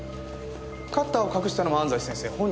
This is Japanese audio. カッターを隠したのも安西先生本人です。